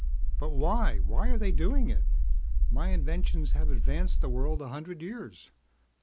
"But why? Why are they doing it? My inventions have advanced the world a hundred years.